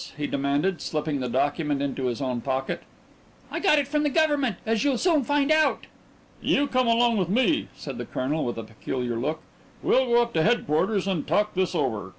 he demanded, slipping the document into his own pocket. "I got it from the Government, as you'll soon find out!" "You come along with me," said the colonel with a peculiar look. "We'll go up to headquarters and talk this over.